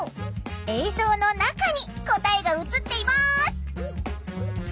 映像の中に答えが映っています。